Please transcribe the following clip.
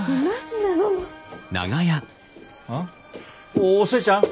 おお寿恵ちゃん？